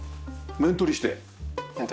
面取りして。